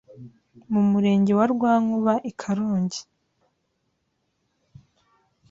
mu Murenge wa Rwankuba i Karongi